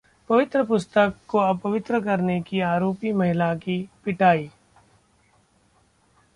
पवित्र पुस्तक को अपवित्र करने की आरोपी महिला की पिटाई